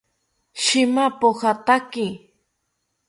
Shima pojataki